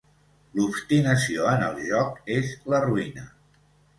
«l'obstinació en el joc és la ruïna».